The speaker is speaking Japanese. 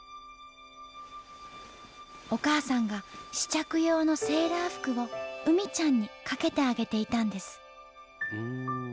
お母さんが試着用のセーラー服をうみちゃんにかけてあげていたんです。